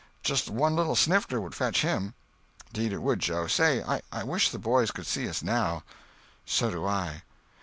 Just one little snifter would fetch him." "'Deed it would, Joe. Say—I wish the boys could see us now." "So do I."